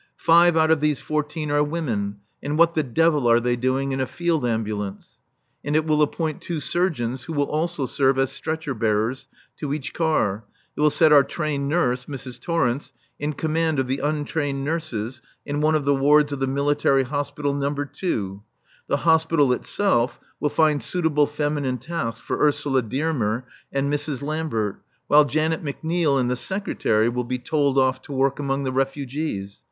Five out of these fourteen are women, and what the devil are they doing in a field ambulance?" And it will appoint two surgeons, who will also serve as stretcher bearers, to each car; it will set our trained nurse, Mrs. Torrence, in command of the untrained nurses in one of the wards of the Military Hospital No. II.; the Hospital itself will find suitable feminine tasks for Ursula Dearmer and Mrs. Lambert; while Janet McNeil and the Secretary will be told off to work among the refugees.